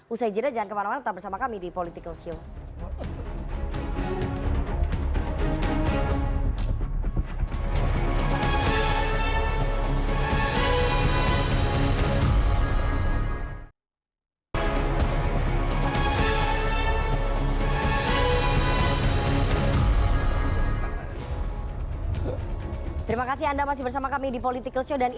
usai jirah jangan kemana mana tetap bersama kami di politikals yow